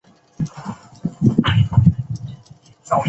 小臭鼩为鼩鼱科臭鼩属的动物。